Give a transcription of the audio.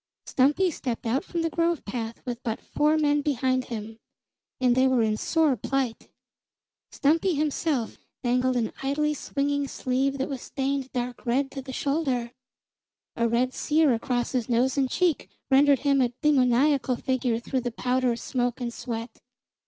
Stumpy stepped out from the grove path with but four men behind him; and they were in sore plight. Stumpy himself dangled an idly swinging sleeve that was stained dark red to the shoulder. A red sear across his nose and cheek rendered him a demoniacal figure through the powder, smoke and sweat.